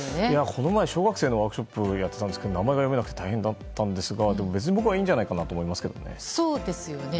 この前、小学生のワークショップをやってたんですけど名前が読めなくて大変だったんですがでも別に僕はいいんじゃないかと思うんですけどね。